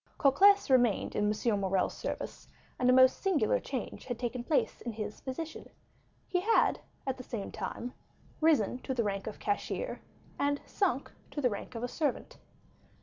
Cocles remained in M. Morrel's service, and a most singular change had taken place in his position; he had at the same time risen to the rank of cashier, and sunk to the rank of a servant.